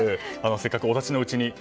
せっかくお立ちのうちに。